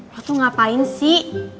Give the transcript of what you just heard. lo tuh ngapain sih